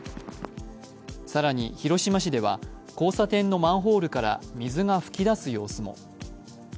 更に広島市では交差点のマンホールから水が噴き出す様子も。